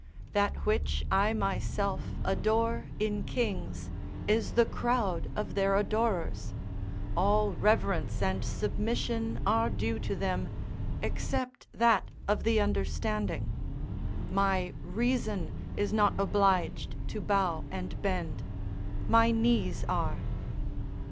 That which I myself adore in kings is the crowd of their adorers; all reverence and submission are due to them, except that of the understanding: my reason is not obliged to bow and bend; my knees are.